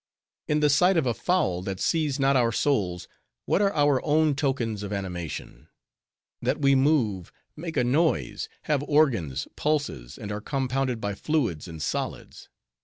In the sight of a fowl, that sees not our souls, what are our own tokens of animation? That we move, make a noise, have organs, pulses, and are compounded of fluids and solids.